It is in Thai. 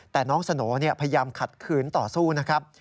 แต่น้องสโหน่พยายามขัดขืนต่อสู้นะครับ